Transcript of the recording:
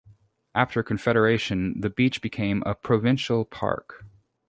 After Confederation, the beach became a provincial park.